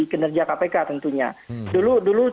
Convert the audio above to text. kinerja kpk tentunya dulu